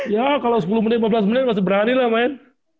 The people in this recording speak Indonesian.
ya kalau sepuluh menit lima belas menit masih berani lah main